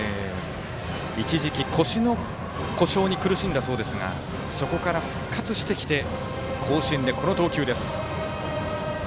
一時期、腰の故障に苦しんだそうですがそこから復活してきて甲子園で、この投球です。